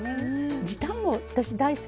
時短も私大好きよ。